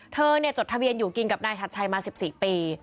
จดทะเบียนอยู่กินกับนายชัดชัยมา๑๔ปี